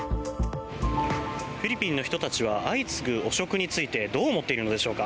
フィリピンの人たちは相次ぐ汚職についてどう思っているのでしょうか。